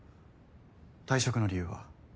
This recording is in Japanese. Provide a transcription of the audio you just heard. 退職の理由は？